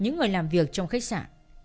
những người làm việc trong khách sạn